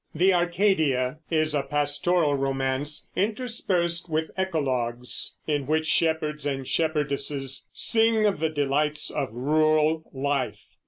The Arcadia is a pastoral romance, interspersed with eclogues, in which shepherds and shepherdesses sing of the delights of rural life.